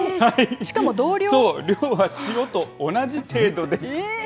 量は塩と同じ程度です。